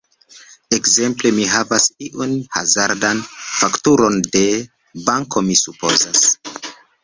Ekzemple: mi havas iun hazardan fakturon de... banko mi supozas.